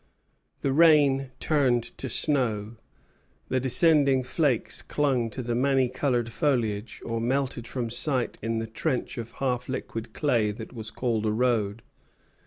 The rain turned to snow; the descending flakes clung to the many colored foliage, or melted from sight in the trench of half liquid clay that was called a road.